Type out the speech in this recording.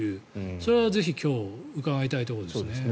それはぜひ今日伺いたいところですね。